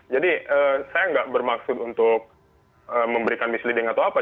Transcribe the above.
jadi saya nggak bermaksud untuk memberikan misleading atau apa